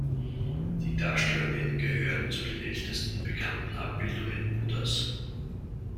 Die Darstellungen gehören zu den ältesten bekannten Abbildungen Buddhas.